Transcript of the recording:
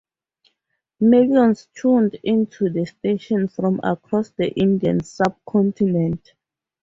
Millions tuned into the station from across the Indian sub-continent.